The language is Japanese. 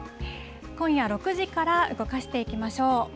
今夜６時から動かしていきましょう。